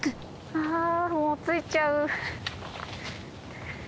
あもう着いちゃう！